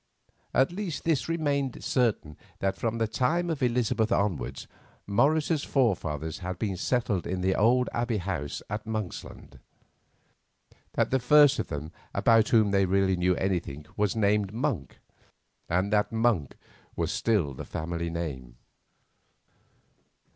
At least this remained certain, that from the time of Elizabeth onwards Morris's forefathers had been settled in the old Abbey house at Monksland; that the first of them about whom they really knew anything was named Monk, and that Monk was still the family name.